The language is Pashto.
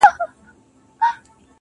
ددې سايه به ،پر تا خوره سي_